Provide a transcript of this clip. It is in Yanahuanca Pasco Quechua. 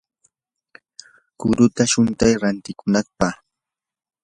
qurita shuntay rantikunapaq.